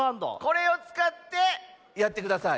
これをつかってやってください。